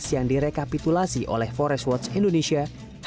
yang direkapitulasi oleh forest watch indonesia